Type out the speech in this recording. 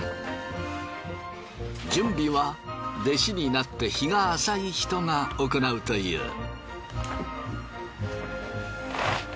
準備は弟子になって日が浅い人がおこなうという。